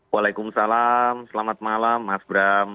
waalaikumsalam selamat malam mas bram